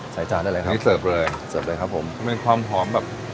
จานได้เลยครับนี่เสิร์ฟเลยเสิร์ฟเลยครับผมมันเป็นความหอมแบบ